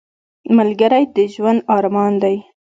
ملګری د ژوند ارمان دی